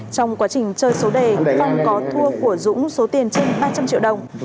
trong quá trình chơi số đề phong có thua của dũng số tiền trên ba trăm linh triệu đồng